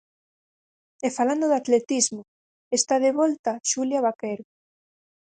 E falando de atletismo, está de volta Xulia Vaquero.